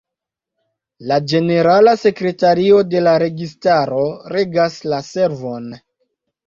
La ĝenerala sekretario de la registaro regas la servon.